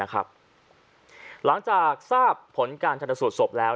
หลังจากทราบผลการชนสูตรศพแล้ว